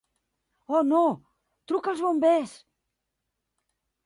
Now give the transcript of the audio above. Oh no! Truca als bombers!